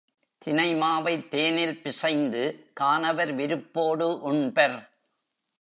தினை மாவைத் தேனில் பிசைந்து கானவர் விருப்போடு உண்பர்.